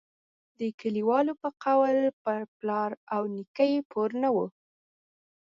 د کلیوالو په قول پر پلار او نیکه یې پور نه وو.